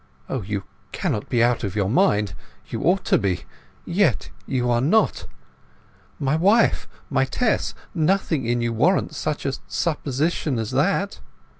O you cannot be out of your mind! You ought to be! Yet you are not... My wife, my Tess—nothing in you warrants such a supposition as that?"